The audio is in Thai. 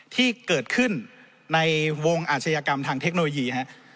ที่เกิดขึ้นในวงอาชญากรรมทางเทคโนโลยี